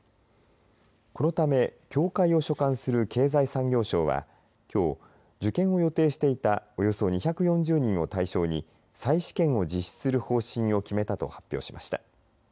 このため、協会を所管する経済産業省はきょう、受験を予定していた２４０人を対象に再試験を実施する方針を決めたと発表しました。